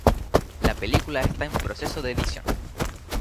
La película está en proceso de edición.